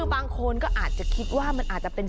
บางคนก็อาจจะคิดว่ามันอาจจะเป็น